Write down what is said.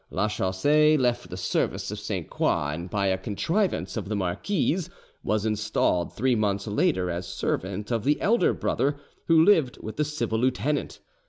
Lachaussee left the service of Sainte Croix, and by a contrivance of the marquise was installed three months later as servant of the elder brother, who lived with the civil lieutenant.